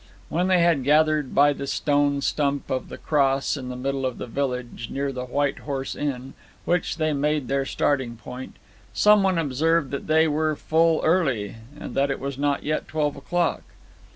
When they had gathered by the stone stump of the cross in the middle of the village, near the White Horse Inn, which they made their starting point, some one observed that they were full early, that it was not yet twelve o'clock.